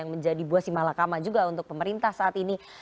yang menjadi buah simbalakama juga untuk pemerintah saat ini